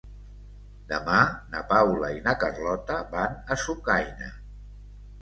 Demà na Paula i na Carlota van a Sucaina.